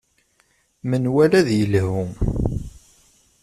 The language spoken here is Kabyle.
Menwala ad yelhu.